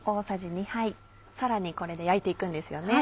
さらにこれで焼いて行くんですよね。